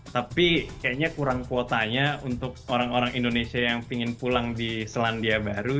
tapi kayaknya kurang kuotanya untuk orang orang indonesia yang ingin pulang di selandia baru